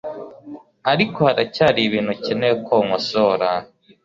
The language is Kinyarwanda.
ariko haracyari ibintu ukeneye ko nkosora